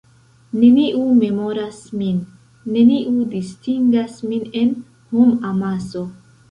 Neniu memoras min, neniu distingas min en homamaso.